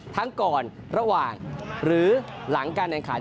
ทั้งก่อนระหว่างหรือหลังการแข่งขัน